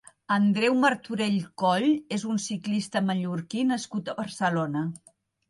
Andreu Martorell Coll és un ciclista mallorquí nascut a Barcelona.